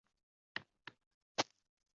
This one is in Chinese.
莫尔纳人口变化图示